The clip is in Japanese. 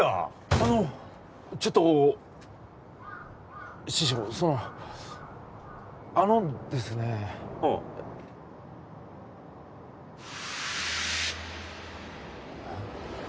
あのちょっと師匠そのあのですねああえっ？